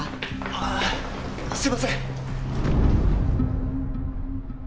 ああすいません。